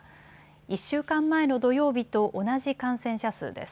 １週間前の土曜日と同じ感染者数です。